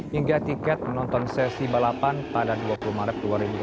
hingga tiket menonton sesi balapan pada dua puluh maret dua ribu dua puluh